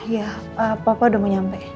ya papa udah mau nyampe